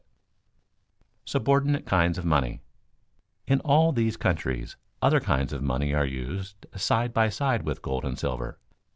[Sidenote: Subordinate kinds of money] In all these countries other kinds of money are used side by side with gold and silver.